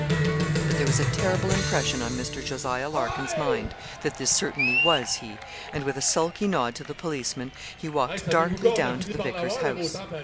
But there was a terrible impression on Mr. Jos. Larkin's mind that this certainly was he, and with a sulky nod to the policeman, he walked darkly down to the vicar's house.